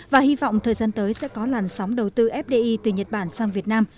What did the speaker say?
và hy vọng thời gian tới sẽ có làn sóng đầu tư fdi từ nhật bản sang việt nam